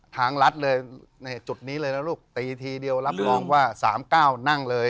รัฐเลยในจุดนี้เลยนะลูกตีทีเดียวรับรองว่า๓๙นั่งเลย